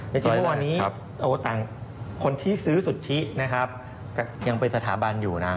ในจริงวันนี้คนที่ซื้อสุทธิยังเป็นสถาบันอยู่นะ